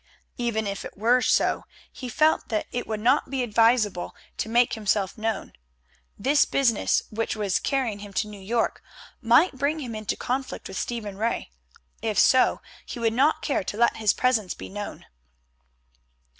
Even if it were so, he felt that it would not be advisable to make himself known. This business which was carrying him to New York might bring him into conflict with Stephen Ray. If so, he would not care to let his presence be known.